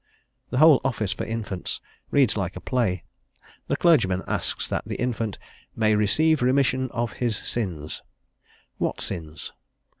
The whole office for infants reads like a play: the clergyman asks that the infant "may receive remission of his sins;" what sins?